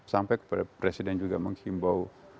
sampai presiden juga menghimbau